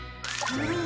うん。